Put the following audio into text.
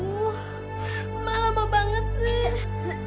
oh emak lama banget sih